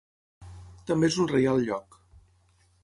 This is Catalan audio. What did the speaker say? També és un Reial Lloc.